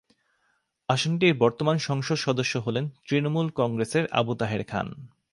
আসনটির বর্তমান সংসদ সদস্য হলেন তৃণমূল কংগ্রেসের আবু তাহের খান।